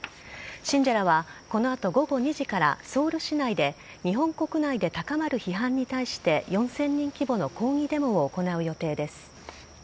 信者らは、この後午後２時からソウル市内で日本国内で高まる批判に対して４０００人規模の抗議デモを行う予定です。